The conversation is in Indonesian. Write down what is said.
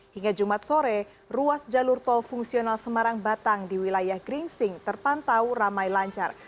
hingga jumat sore ruas jalur tol fungsional semarang batang di wilayah gringsing terpantau ramai lancar